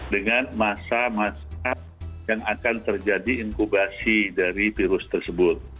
dengan masa masa yang akan terjadi inkubasi dari virus tersebut